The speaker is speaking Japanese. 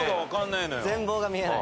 全貌が見えない。